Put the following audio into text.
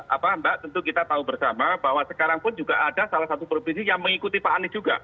apa mbak tentu kita tahu bersama bahwa sekarang pun juga ada salah satu provinsi yang mengikuti pak anies juga